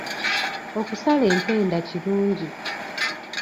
Okusala empenda kirungi.